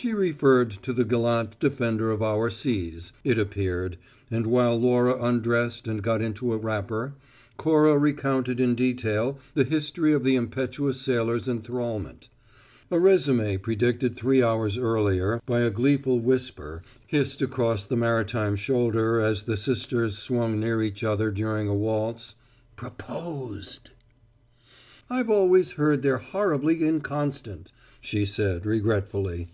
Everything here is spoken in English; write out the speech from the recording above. ..." She referred to the gallant defender of our seas, it appeared, and while Laura undressed and got into a wrapper, Cora recounted in detail the history of the impetuous sailor's enthrallment; a resume predicted three hours earlier by a gleeful whisper hissed across the maritime shoulder as the sisters swung near each other during a waltz: "proposed!" "I've always heard they're horribly inconstant," she said, regretfully.